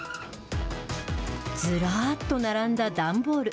ずらっと並んだ段ボール。